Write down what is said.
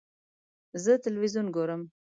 زه تلویزیون ګورم